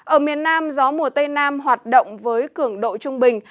ở miền nam gió mùa tây nam hoạt động với cường độ trung bình